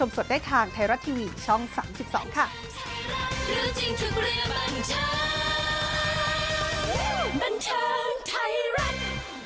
มันเธอไทยรัก